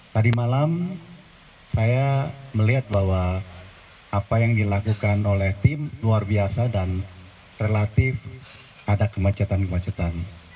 tadi malam saya melihat bahwa apa yang dilakukan oleh tim luar biasa dan relatif ada kemacetan kemacetan